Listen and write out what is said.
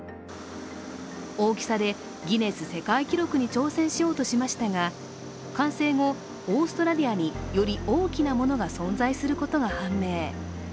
大きさでギネス世界記録に挑戦しようとしましたが、完成後、オーストラリアにより大きなものが存在することが判明。